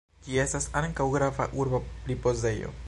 Ĝi estas ankaŭ grava urba ripozejo.